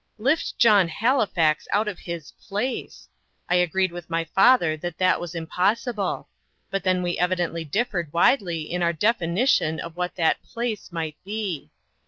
Lift John Halifax out of his "place"! I agreed with my father that that was impossible; but then we evidently differed widely in our definition of what the "place" might be.